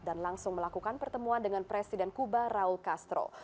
dan langsung melakukan pertemuan dengan presiden kuba raul castro